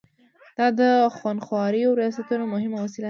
دا د خونخوارو ریاستونو مهمه وسیله ده.